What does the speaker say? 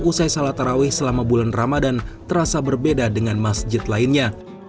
usai salat tarawih selama bulan ramadan terasa berbeda dengan masjid lainnya